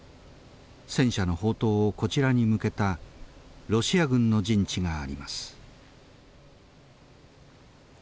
戦車の砲塔をこちらに向けたロシア軍の陣地があります。